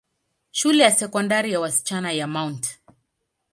Shule ya Sekondari ya wasichana ya Mt.